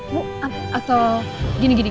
bu atau gini gini